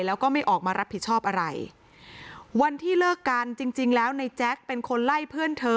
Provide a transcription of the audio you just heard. แล้วก็ไม่ออกมารับผิดชอบอะไรวันที่เลิกกันจริงจริงแล้วในแจ๊คเป็นคนไล่เพื่อนเธอ